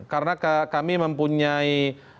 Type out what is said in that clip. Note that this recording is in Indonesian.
karena kami mempunyai